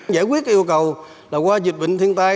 giải quyết yêu cầu qua dịch bệnh thiên tai